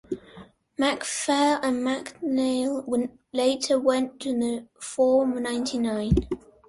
Macfarlane and McIntyre later went on to form ninetynine.